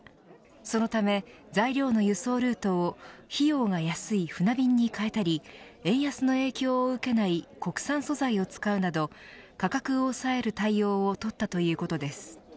そのため、材料の輸送ルートを費用が安い船便に変えたり円安の影響を受けない国産素材を使うなど価格を抑える対応を取ったということです。